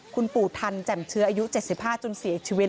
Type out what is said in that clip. คุณปู่ทันแจ่มเชื้ออายุ๗๕จนเสียชีวิต